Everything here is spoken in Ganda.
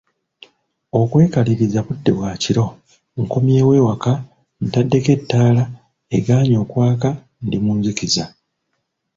Okwekaliriza budde bwa kiro, nkomyewo ewaka, ntaddeko ettaala, egaanye okwaka, ndi mu nzikiza!